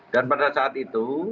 dan pada saat itu